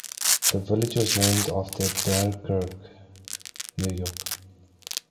The village was named after Dunkirk, New York.